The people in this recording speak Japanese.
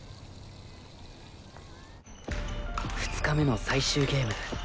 ２日目の最終ゲーム。